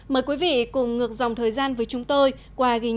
mời quý vị cùng ngược dòng thời gian